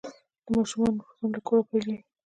د ماشومانو روزنه له کوره پیلیږي.